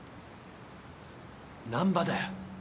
難破だよ。